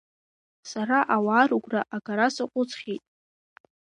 Сара ауаа рыгәра агара саҟәыҵхьеит.